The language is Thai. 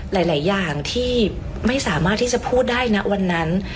หลายอย่างที่ไม่สามารถที่จะพูดได้นะวันนั้น